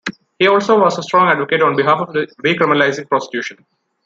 He also was a strong advocate on behalf of decriminalizing prostitution.